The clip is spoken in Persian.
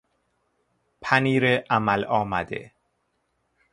پنیر عمل آمده